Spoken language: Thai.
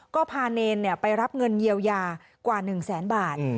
ก็พาเนรไปรับเงินเยียวยากว่า๑แสนบาท